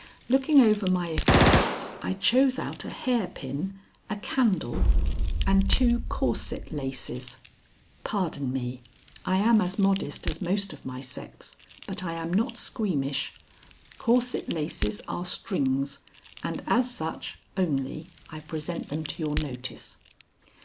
Looking over my effects, I chose out a hairpin, a candle, and two corset laces, (Pardon me. I am as modest as most of my sex, but I am not squeamish. Corset laces are strings, and as such only I present them to your notice.)